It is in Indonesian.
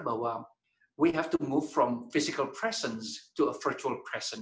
bahwa kita harus bergerak dari wajah fisik ke wajah virtual